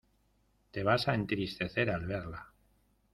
Te vas a entristecer al verla.